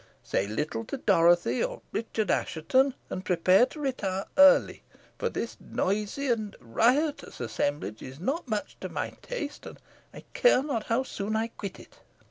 Say little to Dorothy or Richard Assheton, and prepare to retire early; for this noisy and riotous assemblage is not much to my taste, and I care not how soon I quit it."